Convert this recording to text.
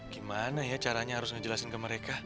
gimana ya caranya harus ngejelasin ya